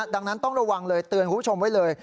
ดังนั้นต้องระวังเลยเตือนคุณผู้ชมไว้เลย